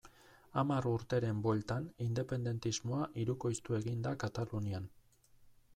Hamar urteren bueltan, independentismoa hirukoiztu egin da Katalunian.